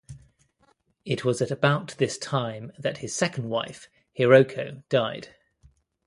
It was at about this same time that his second wife, Hiroko, died.